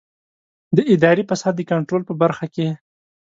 د اداري فساد د کنټرول په برخه کې.